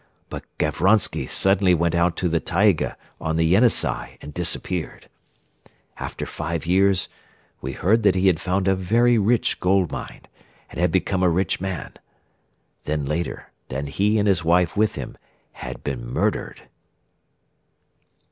But Gavronsky suddenly went out to the 'Taiga' on the Yenisei and disappeared. After five years we heard that he had found a very rich gold mine and had become a rich man; then later that he and his wife with him had been murdered.